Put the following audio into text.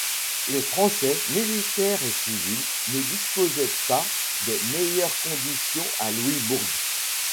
Les Français, militaires et civils, ne disposaient pas des meilleurs conditions à Louisbourg.